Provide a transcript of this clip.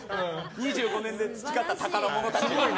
２５年で培った宝物たちなので。